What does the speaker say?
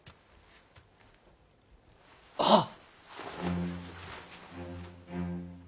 はっ。